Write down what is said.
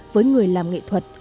với người làm nghệ thuật